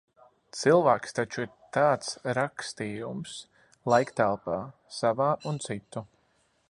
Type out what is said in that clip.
Cilvēks taču ir tāds rakstījums laiktelpā – savā un citu.